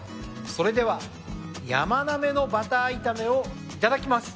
それではやまなめのバター炒めをいただきます。